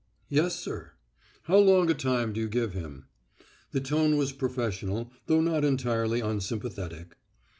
"Yes, sir." "How long a time do you give him?" The tone was professional, though not entirely unsympathetic.